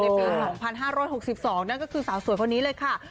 ปี๒๕๖๒นั่นก็คือสาวสวยคนนี้เลยค่ะ